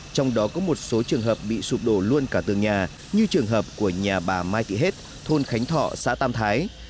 trong đó có một số trường hợp bị sụp đổ luôn cả tường nhà như trường hợp của nhà bà mai thị hết thôn khánh thọ xã tam thái